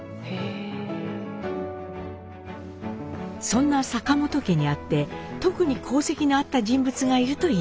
そんな坂本家にあって特に功績のあった人物がいるといいます。